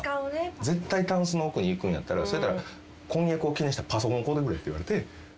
絶対タンスの奥にいくんやったらそれやったら婚約を記念したパソコン買うてくれって言われて。